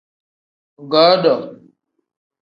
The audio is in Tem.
Godo.